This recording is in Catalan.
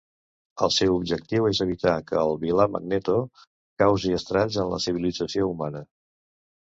El seu objectiu és evitar que el vilà Magneto causi estralls en la civilització humana.